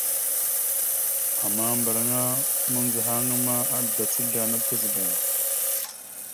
Ama mbəraŋa mandzəhaŋa ma, azlac ezle ana tazəgal.